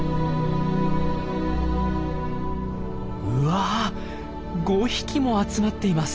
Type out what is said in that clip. うわ５匹も集まっています。